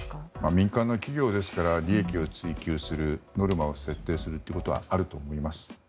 民間の企業ですから利益を追求するノルマを設定するということはあると思います。